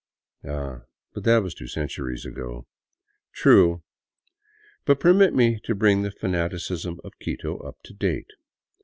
Ah, but that was two centuries ago. True, but permit me to bring the fanaticism of Quito up to date.